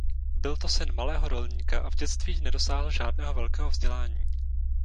Byl to syn malého rolníka a v dětství nedosáhl žádného velkého vzdělání.